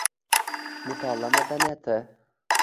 Mutolaa madaniyati